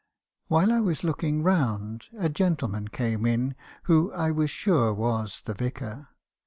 "While I was looking round, a gentleman came in, who I was sure , was the vicar.